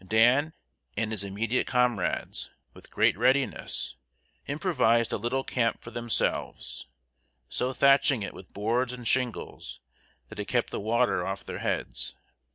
Dan and his immediate comrades, with great readiness, improvised a little camp for themselves, so thatching it with boards and shingles that it kept the water off their heads.